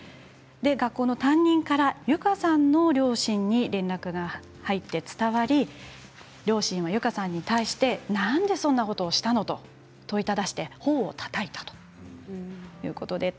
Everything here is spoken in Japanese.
学校の担任からゆかさんの両親に連絡が入って伝わり両親は、ゆかさんに対してなんでそんなことしたの？と問いただして、ほおをたたいたということなんです。